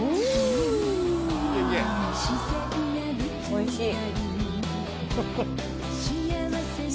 おいしい。